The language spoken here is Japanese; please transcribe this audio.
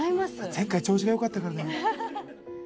前回調子がよかったから。